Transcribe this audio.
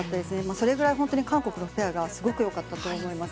それぐらい韓国のペアがすごく良かったと思います。